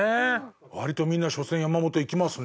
割とみんな初戦山本いきますね。